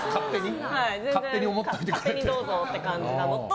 勝手にどうぞって感じなのと。